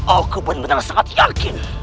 aku benar benar sangat yakin